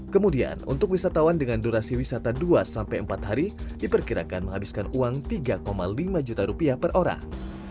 kemudian untuk wisatawan dengan durasi wisata dua sampai empat hari diperkirakan menghabiskan uang tiga lima juta rupiah per orang